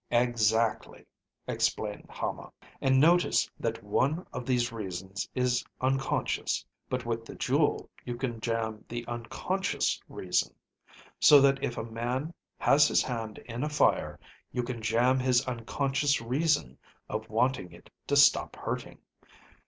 "Exactly," explained Hama. "And notice that one of these reasons is unconscious. But with the jewel, you can jam the unconscious reason; so that if a man has his hand in a fire, you can jam his unconscious reason of wanting it to stop hurting.